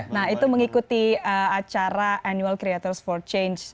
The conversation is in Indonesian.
nah itu mengikuti acara annual creators for change